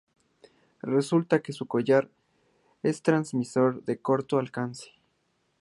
Resulta que su collar es un transmisor de corto alcance.